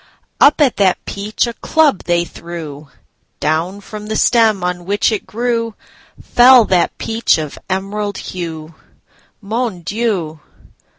Up at that peach a club they threw—Down from the stem on which it grewFell that peach of emerald hue. Mon Dieu!